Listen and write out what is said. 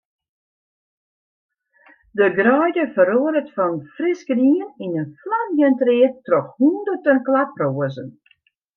De greide feroaret fan frisgrien yn in flamjend read troch hûnderten klaproazen.